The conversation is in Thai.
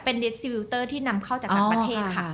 เป็นลิสซิวิลเตอร์ที่นำเข้าจากต่างประเทศค่ะ